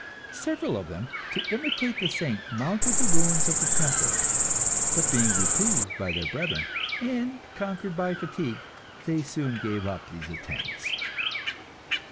Several of them, to imitate the saint, mounted the ruins of the temple; but, being reproved by their brethren, and conquered by fatigue, they soon gave up these attempts.